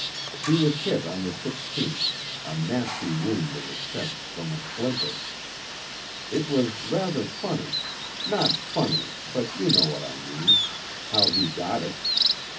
He was hit on the 16th, a nasty wound in the chest from a splinter.... It was rather funny not funny, but you know what I mean how he got it.